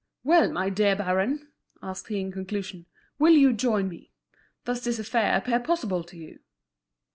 "Well! my dear baron," asked he in conclusion, "will you join me? Does this affair appear possible to you?"